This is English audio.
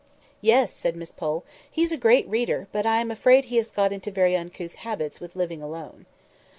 "Yes!" said Miss Pole, "he's a great reader; but I am afraid he has got into very uncouth habits with living alone."